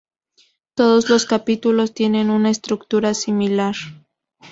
Todos los capítulos tienen una estructura similar.